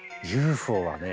「ＵＦＯ」はね。